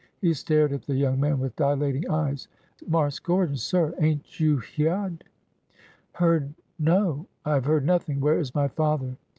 He stared at the young man with dilating eyes. Marse Gordon, sir ! ain't you hyeahed ?" Heard ? No ! I have heard nothing ! Where is my father